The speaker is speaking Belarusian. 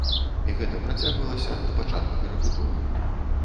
І гэта працягвалася да пачатку перабудовы.